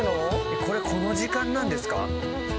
これこの時間なんですか？